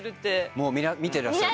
もう見てらっしゃる。